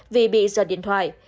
vì bị giật điện thoại